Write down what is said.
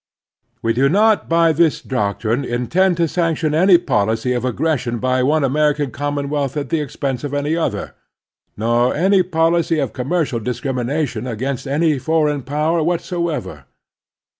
We do not by this doctrine intend to sanction any policy of aggression by one American con^nonwealth at the expense of any other, nor any policy of com mercial discrimination against any foreign power whatsoever.